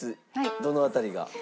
どの辺りが？